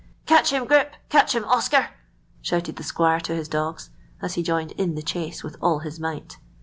"Catch him, Grip; catch him, Oscar!" shouted the squire to his dogs, as he joined in the chase with all his might.